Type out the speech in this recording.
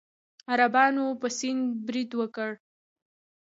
عربانو په سند برید وکړ.